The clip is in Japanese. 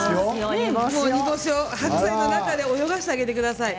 煮干しを白菜の中で泳がせてあげてください。